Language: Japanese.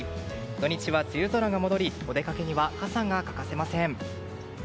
土日は梅雨空が戻りお出かけには傘が欠かせません。